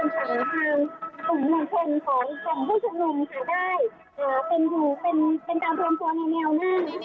ซึ่งทางฝั่งที่พี่ฉันอยู่ตรงนี้นะคะ